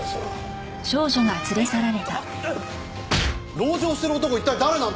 籠城してる男は一体誰なんだ？